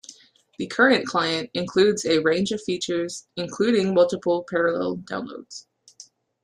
The current client includes a range of features, including multiple parallel downloads.